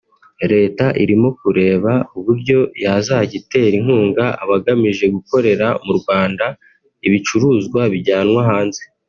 leta irimo kureba uburyo yazajya itera inkunga abagamije gukorera mu Rwanda ibicuruzwa bijyanwa hanze